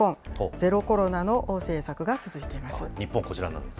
ゼロコロナの政策が続いています。